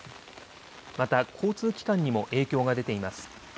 また交通機関にも影響が出ています。